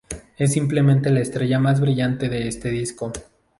Es simplemente la estrella más brillante de este disco.